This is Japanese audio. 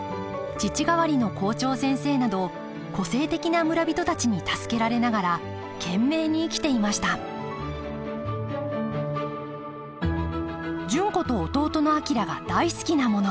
父代わりの校長先生など個性的な村人たちに助けられながら懸命に生きていました純子と弟の昭が大好きなもの。